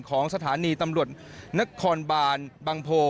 ของสถานีตำรวจนครบานบางโพ